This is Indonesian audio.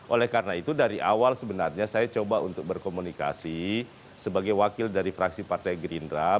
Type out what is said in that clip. oleh karena itu dari awal sebenarnya saya coba untuk berkomunikasi sebagai wakil dari fraksi partai gerindra